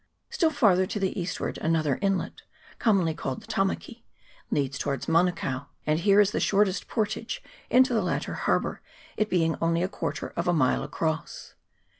Still farther to the eastward another inlet, com monly called the Tamaki, leads towards Manukao ; and here is the shortest portage into the latter har bour, it being only a quarter of a mile across.